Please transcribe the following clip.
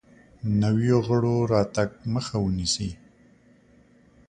نویو غړو راتګ مخه ونیسي.